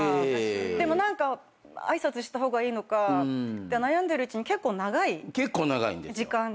でも何か挨拶した方がいいのかって悩んでるうちに結構長い時間で。